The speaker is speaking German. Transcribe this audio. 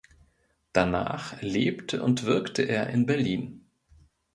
Danach lebte und wirkte er in Berlin.